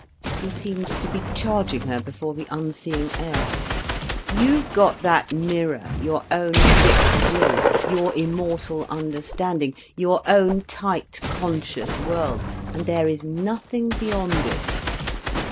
He seemed to be charging her before the unseeing air. "You've got that mirror, your own fixed will, your immortal understanding, your own tight conscious world, and there is nothing beyond it.